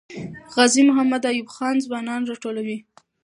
غازي محمد ایوب خان ځوانان راټولوي.